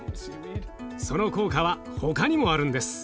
その効果は他にもあるんです。